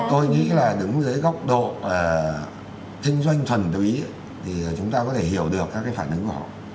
tôi nghĩ là đứng dưới góc độ kinh doanh thuần túy thì chúng ta có thể hiểu được các cái phản ứng của họ